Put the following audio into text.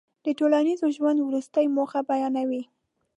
د ټولنیز ژوند وروستۍ موخه بیانوي.